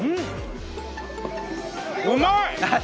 うまい！